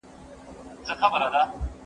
هغه وويل چي سیر ګټور دی!.